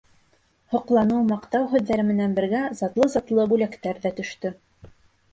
Һоҡланыу, маҡтау һүҙҙәре менән бергә затлы-затлы бүләктәр ҙә төштө.